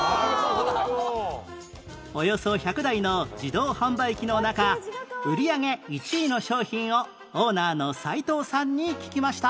およそ１００台の自動販売機の中売り上げ１位の商品をオーナーの斉藤さんに聞きました